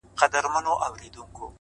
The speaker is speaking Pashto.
زه هم له خدايه څخه غواړمه تا؛